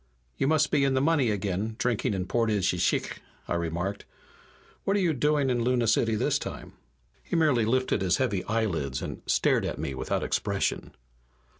"You must be in the money again, drinking imported shchikh," I remarked. "What are you doing in Luna City this time?" He merely lifted his heavy eyelids and stared at me without expression.